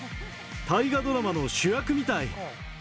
大河ドラマの主役みたい。